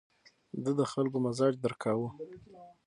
ده د خلکو مزاج درک کاوه.